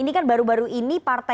ini kan baru baru ini partai